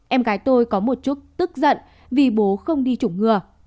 em gái tôi có một chút tức giận vì bố không đi chủng ngừa